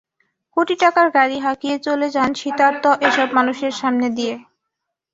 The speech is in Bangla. কোটি টাকার গাড়ি হাঁকিয়ে চলে যান শীতার্ত এসব মানুষের সামনে দিয়ে।